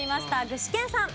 具志堅さん。